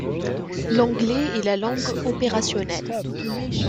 L’anglais est la langue opérationnelle.